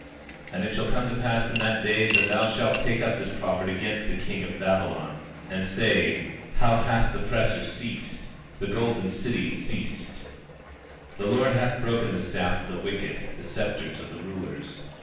24:4 And it shall come to pass in that day, that thou shalt take up this proverb against the king of Babylon, and say: How hath the oppressor ceased, the golden city ceased! 24:5 The Lord hath broken the staff of the wicked, the scepters of the rulers.